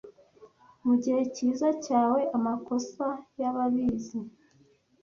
Mugihe cyiza cyawe, amakosa yababizi